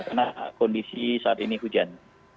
karena kondisi saat ini hujan